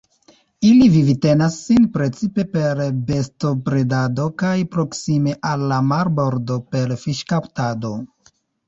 Ili vivtenas sin precipe per bestobredado kaj proksime al la marbordo per fiŝkaptado.